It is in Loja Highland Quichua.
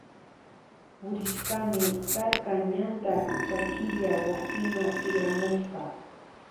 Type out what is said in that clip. Purishkami karka ñanta chakilla wasima tikramushpa.